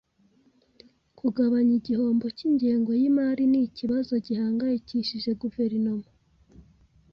Kugabanya igihombo cy’ingengo y’imari ni ikibazo gihangayikishije guverinoma.